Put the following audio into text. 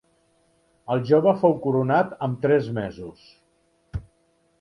El jove fou coronat amb tres mesos.